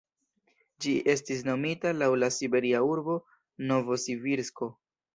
Ĝi estis nomita laŭ la siberia urbo Novosibirsko.